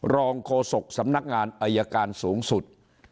โฆษกสำนักงานอายการสูงสุด